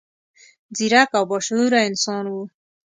ځیرک او با شعوره انسان و.